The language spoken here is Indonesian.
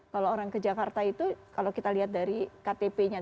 kalau orang ke jakarta itu kalau kita lihat dari ktp nya